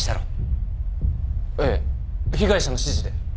ええ被害者の指示で。